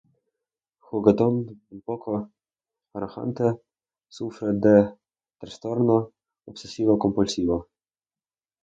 Juguetón y un poco arrogante, sufre de trastorno obsesivo-compulsivo.